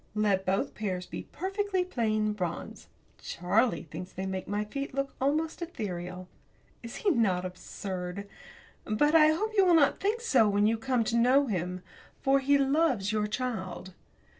Let both pairs be perfectly plain bronze. Charlie thinks that they make my feet look almost ethereal. Is he not absurd? But I hope that you will not think so, when you come to know him, for he loves your child.